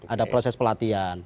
ada proses pelatihan